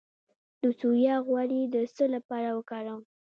د سویا غوړي د څه لپاره وکاروم؟